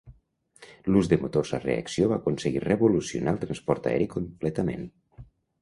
L'ús de motors a reacció va aconseguir revolucionar el transport aeri completament.